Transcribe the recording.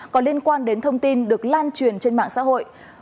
có liên quan đến thông tin được lan truyền trên mạng xã hội